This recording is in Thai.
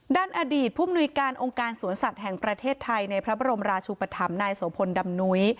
ด้านอดีตผู้มนุยการองค์การสวนสัตว์แห่งประเทศไทยในพระบรมราชุปธรรมนายโสพลดำนุ้ย